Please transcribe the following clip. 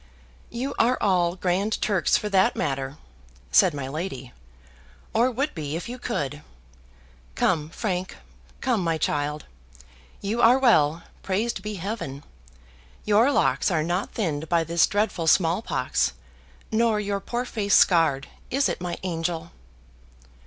"You are all Grand Turks for that matter," said my lady, "or would be if you could. Come, Frank, come, my child. You are well, praised be Heaven. YOUR locks are not thinned by this dreadful small pox: nor your poor face scarred is it, my angel?"